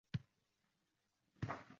Boʻgʻriqqan, dim uy derazasin